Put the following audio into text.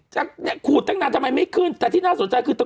จะเนี่ยขูดแค่ดังนานจะไม่ขึ้นแต่ที่น่าสนใจคือตะ